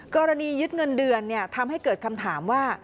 กรณียึดเงินเดือนทำให้เกิดคำถามว่า